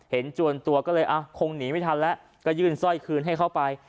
จวนตัวก็เลยคงหนีไม่ทันแล้วก็ยื่นสร้อยคืนให้เข้าไป